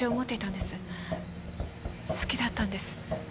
好きだったんです。